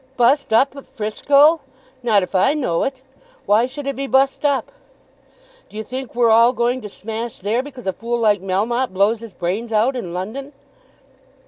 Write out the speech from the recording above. "Bu'st up at Frisco! Not if I know it. Why should it be bu'st up? D'you think we're all going to smash there because a fool like Melmotte blows his brains out in London?"